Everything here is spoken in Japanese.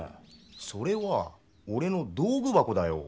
それはおれの道具箱だよ。